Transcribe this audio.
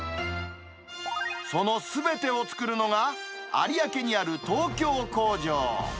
そのすべてを作るのが、有明にある東京工場。